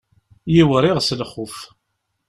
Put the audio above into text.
Yiwriɣ s lxuf.